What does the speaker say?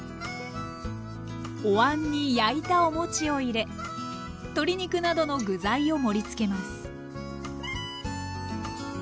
おわんに焼いたお餅を入れ鶏肉などの具材を盛りつけます